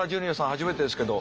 初めてですけど。